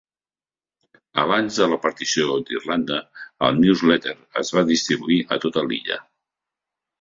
Abans de la partició d'Irlanda, el "News Letter" es va distribuir a tota l'illa.